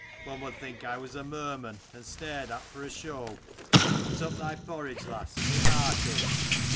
One would think I was a merman, and stared at for a show. Sup thy porridge, lass, and be hearty."